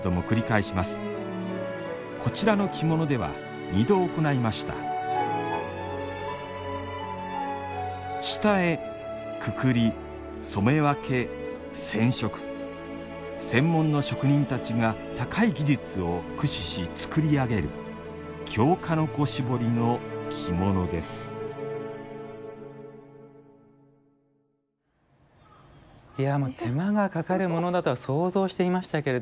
こちらの着物では２度行いました専門の職人たちが高い技術を駆使し作り上げる京鹿の子絞りの着物ですいや手間がかかるものだとは想像していましたけれどこれほどとは。